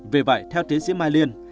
vì vậy theo tiến sĩ mai liên